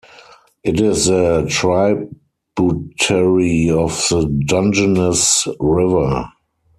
It is a tributary of the Dungeness River.